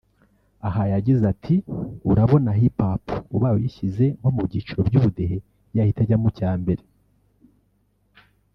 aha yagize ati”Urabona Hip Hop ubaye uyishyize nko mu byiciro by’ubudehe yahita ijya mu cya mbere